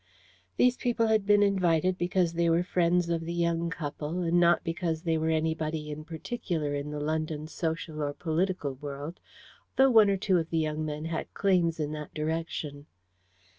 These people had been invited because they were friends of the young couple, and not because they were anybody particular in the London social or political world, though one or two of the young men had claims in that direction.